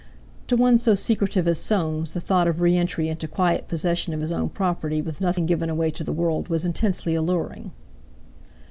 To one so secretive as Soames the thought of reentry into quiet possession of his own property with nothing given away to the world was intensely alluring.